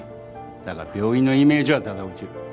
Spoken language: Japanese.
だが病院のイメージはだだ落ちる。